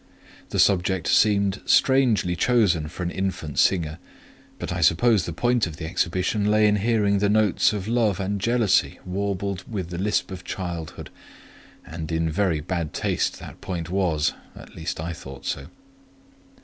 The subject seemed strangely chosen for an infant singer; but I suppose the point of the exhibition lay in hearing the notes of love and jealousy warbled with the lisp of childhood; and in very bad taste that point was: at least I thought so.